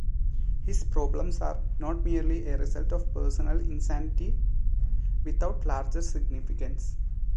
His problems are not merely a result of personal insanity, without larger significance.